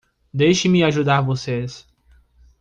Deixe-me ajudar vocês.